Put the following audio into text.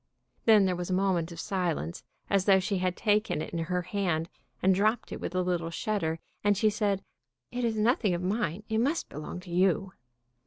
Then there was a moment of silence, as though she had taken it in her hand, and dropped it with a little shudder, and she said, "It is nothing of mine. It must belong to you."